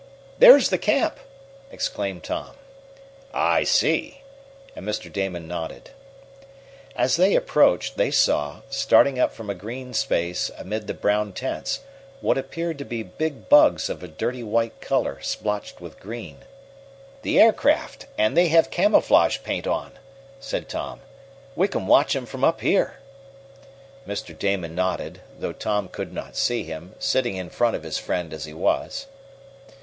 "There's the Camp!" exclaimed Tom. "I see," and Mr. Damon nodded. As they approached, they saw, starting up from a green space amid the brown tents, what appeared to be big bugs of a dirty white color splotched with green. "The aircraft and they have camouflage paint on," said Tom. "We can watch 'em from up here!" Mr. Damon nodded, though Tom could not see him, sitting in front of his friend as he was.